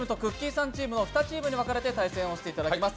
さんチームの２つに分かれて対戦していただきます。